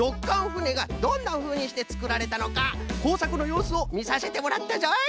ふねがどんなふうにしてつくられたのかこうさくのようすをみさせてもらったぞい！